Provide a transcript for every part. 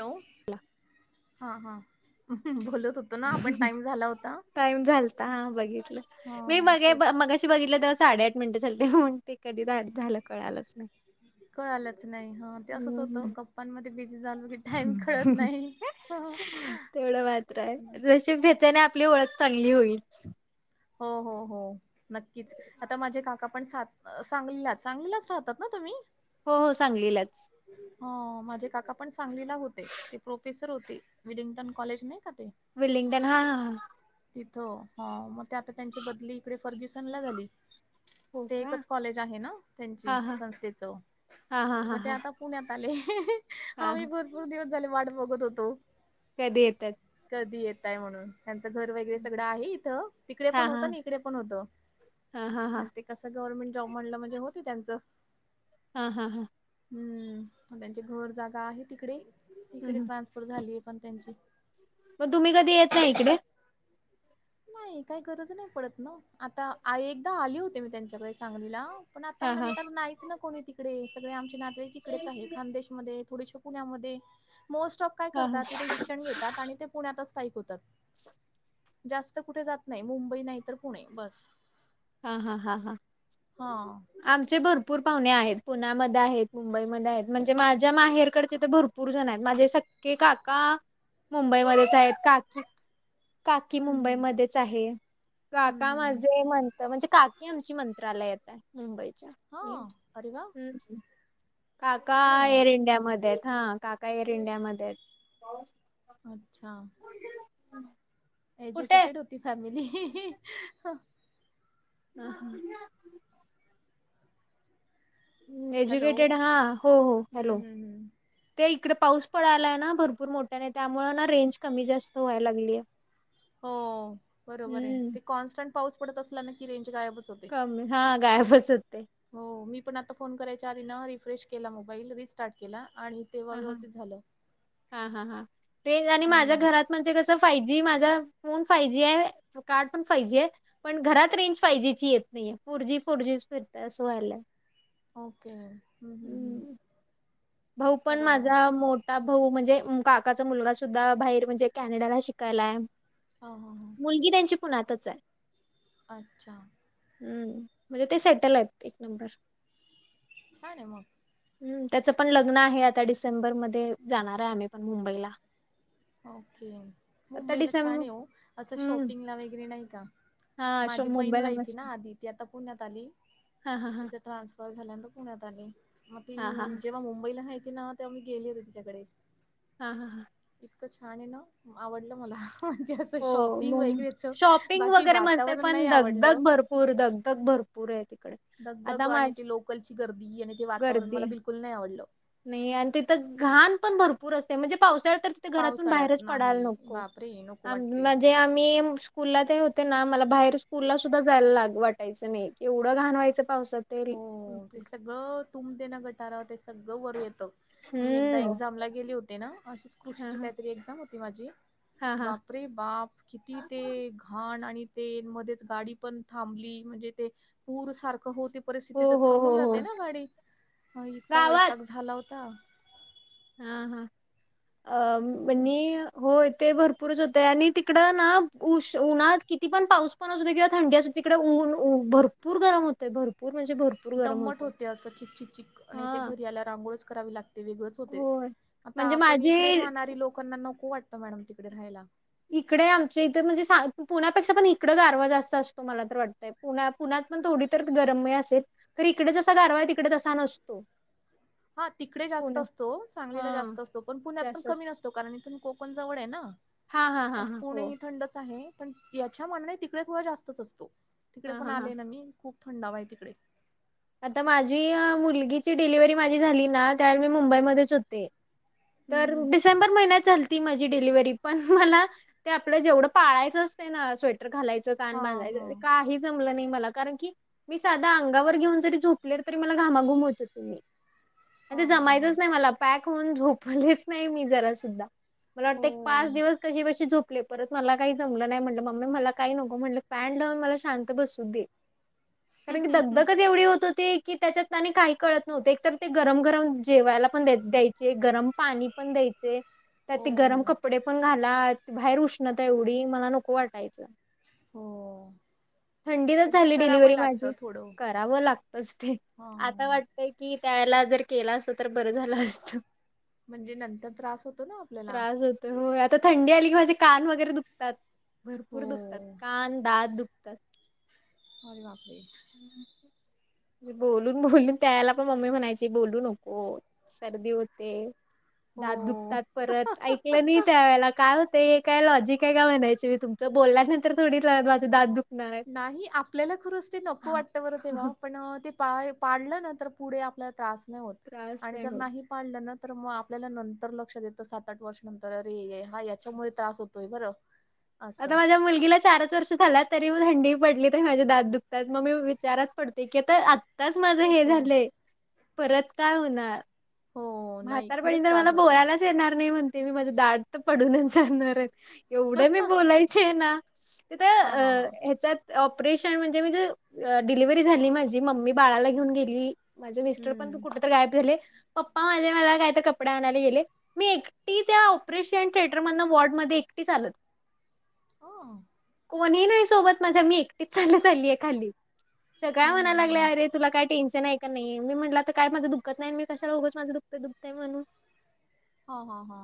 Hello हा हा [inaudible] time झाला होता टाईम झालता ह बघितलं. हा मी बरी ब तेच मगासी. बघितलंतेव्हा साडे आठ मिनटंझलते हाऊन मग ते कधी झालं कळालंच नाही. कळा आलंच नाही हो.. असंच होतं हम्म गप्पांमध्ये बिझी झाल की, टाइम कळत नाहीहः हः हं तेवढं मात्र जशी भेचने आपली ओळख चांगली होईल. हो हो हो.. नक्कीच आता माझे काका पण सांग सांगलीलाच राहतात का? तुम्ही. हो हो सांगलीलाच. अ माझे काका पण सांगलीला होते. ते प्रोफेसर होते. विडिंग्टक कॉलेज नाही का? ते. वेलिंग्टन हा ह.. तिथं हो, मग ते आता त्यांची बदली इकडे फर्ग्युसन ला झाली. हो ते का एकच कॉलेज आहे ना त्यांची, हा हा संस्थेच हा हा हा मग ते हा आता पुण्यात आलेहः हः. हा आम्ही भरपूर दिवस झाले. वाट बघत होतो. कधी येतात. कधी येतय म्हणून त्यांचं घर वगैरे सगळं आहे इथं. तिकडे हा पण हा होतं. आणि इकडे पण होतं हा हा हा आणि ते, कस गव्हर्नमेंट जॉब म्हणलं म्हणजे होत त्यांचं हा हा हा... हम्म. त्यांची घर जागा आहे तिकडे, इकडे ट्रान्सफर झाली आहे पण त्यांची. मग तुम्ही कधी येत नाही इकडे? नाही. काही गरज नाही पडत ना, आता एकदा आली होती मी त्यांच्याकडे सांगलीला. पण आता हा हा नंतर नाहीच ना कोणी तिकडे, सगळे आमचे नातेवाईक इकडेच आहे खानदेश मधे थोडेसे पुण्यामधे, मोस्ट ऑफ काय हा हा करतात ते शिक्षण घेतात आणि ते पुण्यातच स्थायिक होतात. जास्त कुठे जात नाही, मुंबई नाही तर पुणे बस. हा हा हा हा. हां. आमचे भरपूर पाहुणे आहेत. पुण्यामध्ये आहेत, मुंबईमध्ये आहेत म्हणजे माझ्या माहेरकडचे तर भर पूरजण आहेत. माझे सख्खे काका मुंबईमध्येच आहेत, काकी काकी हम्म हम्म मुंबईमध्येच आहे, काका हम्म हम्म माझे मंन म्हणजे काकी आमची मंत्रालयात आहे मुंबईच्या. हा, आरे वाह! [unintelligible] काका एअर इंडियामध्ये आहेत, हा. काका एअर इंडियामध्ये आहेत. अच्छा. कुठे एज्युकेटेड होती फॅमिली. हा हा. हॅलो एज्युकेटेड हा, हो हो. हम्म हॅलो. हम्म हम्म ते इकडे पाऊस पडायलाय ना भरपूर मोठ्याने, त्यामुळं ना रेंज कमी जास्त व्हाय लागलीय. हो, बरोबर आहे. हम्म ते कॉन्स्टंट पाऊस पडत असला ना की रेंज गायबच होते. कमी, हा गायबस होते. हो, मी पण आता फोन करायच्या आधी ना रिफ्रेश केला, मोबाईल रिस्टार्ट केला आणि तेव्हा ह ह व्यवस्थित झालं हा ह हा तेच आणि माझ्या हम्म घरात म्हणजे कसं फाइ जी माझा फोन फाइ जी आहे, कार्ड पण फाइ जी आहे. पण घरात रेंज फाइव जी ची येत नाहीये, फोर जी फोर जी फिरत असं व्हायला. ओके. हम्म हम्म हम्. भाऊ पण माझा मोठ भाऊ म्हणजे काकाचा मुलगा सुद्धा बाहेर म्हणजे कॅनेडाला शिकायला आहे. हा हा हा. मुलगी त्यांची पुण्यातच आहे. अच्छा. हम्म म्हणजे ते सेटल आहेत एक नंबर. छान, आहे मग. हम्म. त्याचं पण लग्न आहे आता डिसेंबर मध्ये, जाणार आहे आम्ही पण मुंबईला. ओके. आता मुंबईला डिसेंब छानये ओ असं हम्म शॉपिंगला वगैरे नाही का? हा शो माझी बहीण मुंबईला राहायची ना मस्त आधी, ती आता पुण्यात आली. हा हा हा तिचं ट्रान्सफ र झाल्यानंतर पुण्यात आली. मग ती हा हा जेव्हा मुंबईला रहायची ना, तेव्हा मी गेले होते तिच्याकडे. हा हा हां. इतकं छान आहे ना, आवडलं मला. म्हणजे असं हो शॉपिंग मुं वगैरेचं शॉपिंग बाकी वातावरण नाही आवडलं. पूर दगदग भर पुर आहे तिकडे. दगदग आता माझ आणि ती लोकलची गर्दी यानी ते वातावरण गर्दी मला बिलकुल नाही आवडलं. नाही आणि तिथं घाण पण भरपूर असते म्हणजे पावसाळ्यात तर घरातून पावसाळ्यात बाहेरच पडायला नाही नको बापरे नको वाटते. अन् जे आम्ही स्कूलला ते होते ना मला बाहेर स्कूलला सुद्धा जायला लाग वाटायचं नाही. एवढं घाण व्हायचं पावसात. ते हो, ते भरपूर सगळं तुम ते ना गटारं ते सगळं वर येतं. मी एकदा हम्म एक्झामला गेले होते ना अशीच हा कृषीची हा काहीतरी एक्झाम होती माझी हा हा. बापरे बाप किती ते घाण आणि ते मध्येच गाडी पण थांबली म्हणजे ते पूर सारखं हो हो परिस्थिती तर हो हो थांबून हो जाते ना गाडी इतका गावात वैताग झाला होता. हा हा अ असं सगळं. [unintelligible] होय ते भरपूरच होतंय आणि तिकडं ना उश उन्हात किती पण पाऊस असूदे किंवा थंडी तिकडे ऊन भरपूर गरम होतंय भरपूर म्हणजे भर दम्मट होते असं चिकचिकचिक आणि ते हा घरी आल्यावर अंघोळंच करावी लागते वेगळंच होते. होय आता म्हणजे आपण माझी इकडे राहणारी लोकांना नको वाटतं मॅडम तिकडे राहायला. इकडे आमच्या इथं म्हणजे पुण्यापेक्षा पण इकडं गारवा जास्त असतो मला तर वाटतंय. पुण्या पुण्यात पण थोडी तर गरमी असेल, तर इकडे जसा गारवा आहे तिकडे तसा नसतो. [inaudible] हा तिकडे जास्त पुणे असतो सांगलीला हा जास्त असतो, पण पुण्यात पण जास्त कमी असतो नसतो. [unintelligible] कारण इथून कोकण जवळ आहे ना, हा हा हा हा पुणे हो ही थंडच आहे. पण याच्या मानने तिकडे थोडा जास्तच असतो, तिकडे हा पण हा हा. आले ना मी, खूप थंडावा आहे तिकडे. आता माझी मुलगीची डिलिव्हरी माझी झाली ना त्यावेळी मी मुंबईमध्येच होते. तर हम्म हम्म डिसेंबर महिन्यात झाल -ती माझी डिलिव्हरी पण मला ते आपलं जेवढं पाळायचं असते ना स्वेटर घालायचं कान हा बांधायच हा काही जमलं नाही मला कारण की मी साधा अंगावर घेऊन झोपले तरी मला घामाघूम व्हायचं तिथं हा म्हणजे हा हा जमायचंच नाही मला. पॅक होऊन झोपलेच नाही मी जरा सुद्धा, मला वाटते हो एक पाच दिवस कशीबशी झोपले परत मला काही जमलं नाही, म्हटलं मम्मी मला काही नको म्हटले फॅन लावून मला शांत बसू दे. कारण की दगदगच एवढी हो त होती की त्याच्यात आणि काही कळतं नव्हते, एक तर ते गरम गरम जेवायला पण द्यायचे गरम. पाणी पण द्यायचे. त्यात हो ते गरम कपडे पण घाला बाहेर उष्णता एवढी मला नको वाटायचं. हो थंडीतच पण ते झाली करावं डिलिव्हरी लागतं माझी. थोडं करावं लाग [unintelligible] हा आता वाटतय की त्याला जर केलं असतं तर बरं झालं असतं म्हणजे नंतर त्रास होतो ना आपल्याला. त्रास होतो हो, आता थंडी आली की माझे कान वगैरे दुखतात, हो भरपूर दुखतात कान, दात दुखत [inaudible] अरे बापरे. बोलून बोलून त्यावेळेला पण मम्मी म्हणायची बोलू नको सर्दी होते. दात दुखतात हो परत ऐकलं नाही त्यावेळेला काय होते? हे काय लॉजिक आहे का? म्हणायची मी, तुमचं बोलल्यानंतर थोडी माझा दात दु नाही आपल्याला खरच ते नको वाटत बरं तेव्हा. पण ते पाळलं ना तर पुढे आपल्याला त्रास नाही होत त्रास आणि जर होत. नाही पळालं ना, तर मग आपल्याला नंतर लक्षात येतं, सात आठ वर्ष नंतर अरे हा याच्यामुळे त्रास हो [unintelligible] बरं. असं आता माझ्या मुलगीला चारच वर्ष झाला तरी मग थंडी पडली तरी माझे दात दुखतात. मग मी विचारात पडते की आता आताच माझं हे होतो झालंय, परत काय होणार? हो नाही म्हातारपणी खरंच तर मला त्रास होतो बोलायलाच येणार नाही, म्हणते मी. माझ दात तर पडूनच जाणार आहे. एवढं मी बोलायचे आहे ना, तिथं हा अ हा हा ह्याच्यात. ऑपरेशन म्हणजे-म्हणजे डिलेव्हरी झाली, माझी मम्मी बाळाला घेऊन गेली. माझे मिस्टर पण तू हम्म कुठं तर गायब झाले. पप्पा माझे मला कायतरी कपडे आणायला गेले. मी एकटी त्या ऑपरेशन थिएटर मधन वॉर्डमध्ये एकटी चालत. हं. कोणी नाही सोबत माझ्या, मी एकटीच चालंत आलीय खाली. सगळ्या हम्म म्हणायला लागल्या, हम्म अरे तुला काय टेन्शन आहे का? नाही म्हटलं तर का माझं दुःखत नाही? मी कशाला उगाच? माझं दुखतं, दुखतय म्हणू. हा-हा-हा.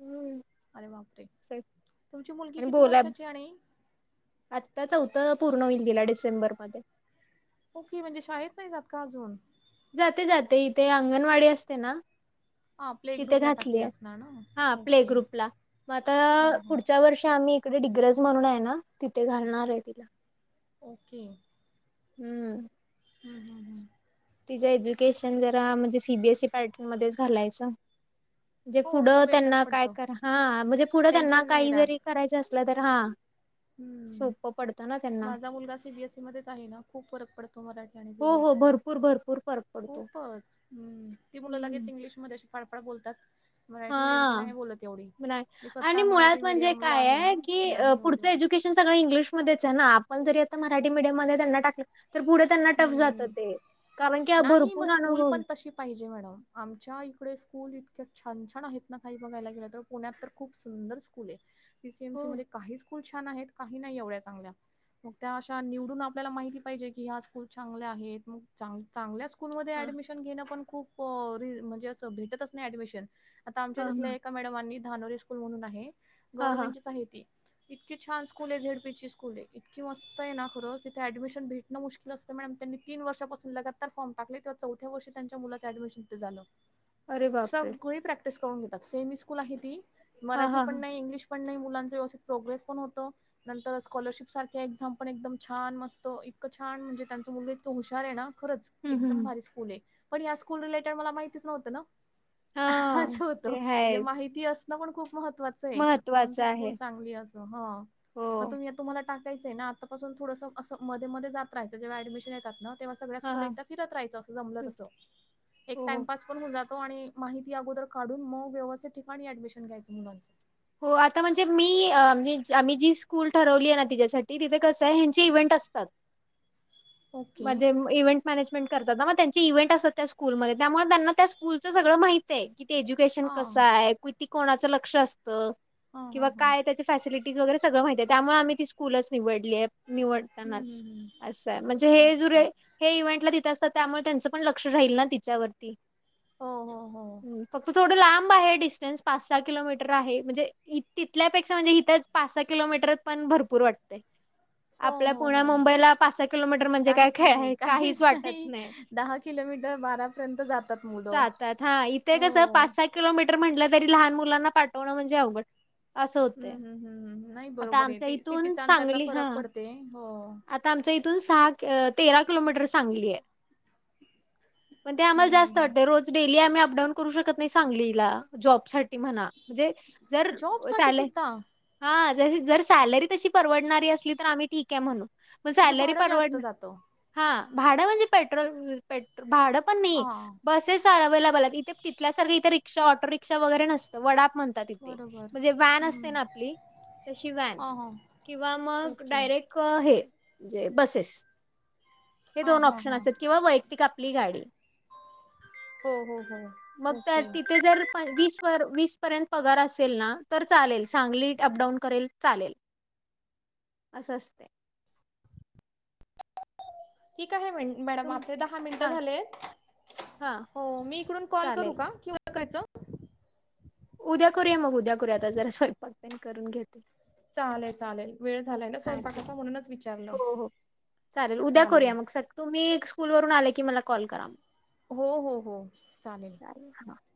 हम्म अरे बापरे! तुमची मुलगी आणि किती बोला वर्षाची आणि आत्ता चौथं पूर्ण होईल, गेला डिसेंबरमध्ये. हो की, म्हणजे शाळेत नाही जात का अजून? जाते-जाते, इथे अंगणवाडी असते ना. हा प्ले तिथे ग्रुपला टाकली घातलीय. असणार ना हा प्ले ओके ग्रुपला मग हा आता हा पुढच्या वर्षी आम्ही कडे डिग्रज म्हणून आहे ना, तिथे घालणार आहे तिला. ओके. हम्म. हम-हम-हम्. तिचं एज्युकेशन जरा म्हणजे सीबीएसई पार्टन मध्येच घालायचं. जे हो ते पुढं बेटर त्यांना काय पडतं कर हा म्हणजे, पुढं त्यांना टेन्शन नाही काही राहत जरी करायचं असलं तर हा. हम्म, सोपं पडतं ना त्यांना. माझा मुलगा सीबीएसई मध्येच आहे ना, खूप फरक पडतो मराठी. हो-हो, भरपूर-भरपूर फरक. पडतो. खूपच्, ती मुलं हम्म लगेच इंग्लिशमध्ये अशी फाड-फाड बोलतात. मराठी मिडियमची हा नाही बोलत एवढी नाही मी, स्वतः आणि मुळात मराठी म्हणजे मिडियमला काय आहे ना, की अ, नाही हो पुढचं तेवढं. एज्युकेशन सगळे इंग्लिश मध्येच आहे ना, आपण जरी त्यांना मराठी मेडियम मध्ये त्यांना तर पुढे त्यांना टफ जातं हम्म ते, कारण की ह नाही मग भरपूर स्कूल अनुभव पण तशी पाहिजे मॅडम, आमच्या इकडे स्कूल इतक्या छान-छान आहेत ना, काही बघायला गेलं तर. पुण्यात तर खूप सुंदर स्कूल आहे. पीसीएमसी हो. मध्ये काही छान काही नाही, एवढ्या चांगल्या. मग त्या अशा निवडून आपल्याला माहिती पाहिजे की, ह्या खुप चांगला आहे. चांगल्या स्कूल मध्ये हां, ऍडमिशन ऍडमिशन घेणं पण खूप म्हणजे असं भेटतच नाही ऍडमिशन. आता आमच्या हां, इथल्या हां. एक मॅडमनी धानोरी स्कूल म्हणून आहे, हां, हां. गव्हर्नमेंटचीच आहे ती. इतकी छान स्कूल, झेडपीची स्कूल आहे, इतकी मस्त ना! खरंच, तिथे ऍडमिशन भेटणं पण मुष्किल आहे. नुसतं मॅडमनी तीन वर्षापासून लगातार फॉर्म टाकले, तेव्हा चौथ्या वर्षी त्यांच्या मुलाचं ऍडमिशन झालं. अरे बापरे! सगळी प्रॅक्टिस करून घेतात. सेमी स्कूल आहे ती, हां, मराठी हां, पण हां. नाही, इंग्लिश पण नाही, मुलांचं व्यवथित प्रोग्रेस पण होतो. नंतर स्कॉलरशिप सारख्या एक्झाम पण, एकदम छान! मस्त इतकं छान! छान म्हणजे त्यांच मुलगा इतकं हुशार आहे ना! खरंच, हं, हं, एकदम हं. भारीच! पुणे पण या स्कूल रिलेटेड मला माहितीच नव्हतं ना. हा, हां. असं होतं ते म्हणजे आहेच. माहिती असणं पण खूप महत्त्वाच चं आहे की, महत्वाचं कोणती आहे. स्कूल चांगली असं? ह, हो. मग तुम्ही तुम्हाला टाक यचं ये ना आतापसून थोडं असं मध्ये मध्ये जात राहायच जेव्हा ऍडमिशन येतात ना. तेव्हा सगळ्या हां, स्कूल हां. एकदा फिरत राहायच अस जमलं हं. तसं एक हो, हो. टाइमपास [inaudible] जातो आणि माहिती अगोदर काढून मग व्यवस्थित ठिकाणी ऍडमिशन घ्यायचं मुलांच. हो आता म्हणजे मी आम्ही जी स्कूल ठरवली आहे ना तिच्यासाठी तिथे कसं ह्यांचे इव्हेंट असतात. ओके म्हजे इव्हेंट. मॅनेजमेंट करतात ना मग त्यांची इव्हेंट असतात त्या स्कूलमध्ये त्यामुळे त्यांना त्या स्कूलचं सगळ मा [inaudible] [inaudible] एज्युकेशन हा कस आहे किती कोणाच लक्ष असतं हा हा किंवा हा काय त्याचं - फॅसिलिटीज वगैरे सगळ माहितीये त्यामुळे आम्ही ती स्कूलच निवडली ये. हम्म हम्म निवडतानाच हम्म असं आहे म्हणजे हे जर अच्छा. हे इव्हेंटला तिते असतात त्यामुळे त्यांच- पण लक्ष राहील ना तिच्यावरती. हो हो हो फक्त थोडं लांब आहे डिस्टन्स पाच सहा किलोमीटर. ते तर आहे म्हणजे तिथल्यापेक्षा म्हणजे इथ पाच सहा किलोमीटर ये पण भरपूर वाटते. हो आपल्या हो पुण्या हो. मुंबईला पाच सहा किलोमीटर म्हणजे काय खेळ काहीच वाटत नाही. दहा किलोमीटर बारापर्यंत जातात मुलं जातात हा इथे हो. कसं [inaudible] किलोमीटर म्हटलं तरी लहान मुलांना पाठवणं म्हणजे अवघड. असं हं, होते हं, हं, हं. नाही आता बरोबर आहे. आमच्या ते इथून सिटीचा आणि त्याचा सांगली हा फरक पडते. हो. [inaudible] आता आमच्या इथून सहा तेरा किलोमीटर सांगली ये पण ते आम्हाला हं, हं, जास्त वाटतं हं. रोज डेली आम्ही अपडाऊन करू शकत नाही सांगलीला जॉबसाठी म्हणा म्हणजे जर जॉबसाठी सॅलरी सुद्धा म्हणजे हा जर सॅलरी तशी परवडणारी असली तर आम्ही ठीक ये म्हणू मग सॅलरी भाडं जास्त परवड जातं. [inaudible] हा भाडं म्हणजे पेट्रोल [unintelligible] भाडं पण नाही. हां, बसेस अवेलेबल आहेत इथ तिथल्या सारखं इथे रिक्षा ऑटो रिक्षा वगैरे नसत वडाप म्हण [inaudible] बरोबर. म्हणजे व्हॅन हं. असतेना आपली तशी व्हॅन हां, हां. किंवा मग ओके. डायरेक्ट हेे म्हणजे बसेस हे हां, दोन हां, ऑपशन हां. असेल किंवा ती का आपली गाडी. हो हो हो मग तर ओके. तिथे जर. वीस व वीस पर्यंत पगार असेल ना तर चालेल सांगली अपडाऊन करेल चालेल. असं असतेय. की काही म्हण. मॅडम तुम आपले दहा मिनटं हां, झाले येत हां, हो मी इकडून कॉल चालेल. करू का की [inaudible] उद्या करूया मग उद्या करूया आता जरा स्वयंपाक पेन करून घेते. चालेल चालेल वेळ झालाय ना हां ठीक स्वयंपाकाचा आहे. म्हणूनच विचारलं हो हो उद्या चालेल. करूया मग स तुम्ही एक स्कूल वरून आले की मला कॉल करा. हो हो हो चालेल. [unintelligible]